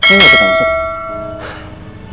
ini ga suka masuk